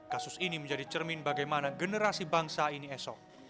kasus ini menjadi cermin bagaimana generasi bangsa ini esok